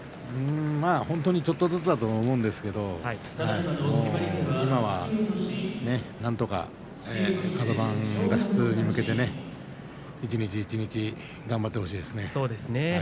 本当にちょっとずつだと思うんですけれど今はなんとかカド番脱出に向けて一日一日、頑張ってほしいです。